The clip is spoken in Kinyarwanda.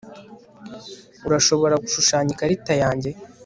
urashobora gushushanya ikarita yanjye